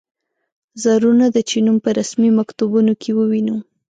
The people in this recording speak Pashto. ضرور نه ده چې نوم په رسمي مکتوبونو کې ووینو.